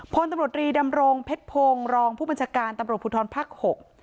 พลตำรวจรีดำรงเพชรพงศ์รองผู้บัญชาการตำรวจภูทรภาคหก